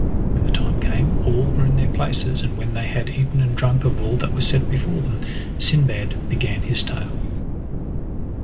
When the time came all were in their places, and when they had eaten and drunk of all that was set before them Sindbad began his tale.